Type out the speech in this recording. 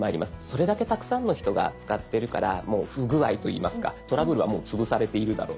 それだけたくさんの人が使ってるからもう不具合といいますかトラブルはもう潰されているだろうとか。